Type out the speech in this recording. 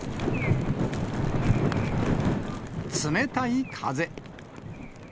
冷たい風。